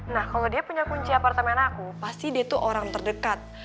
nah kalau dia punya kunci apartemen aku pasti dia tuh orang terdekat